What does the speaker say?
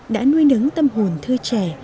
đã nuôi nứng tâm hồn thơ trẻ